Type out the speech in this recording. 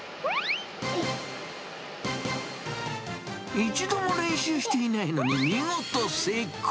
一度も練習していないのに、見事成功。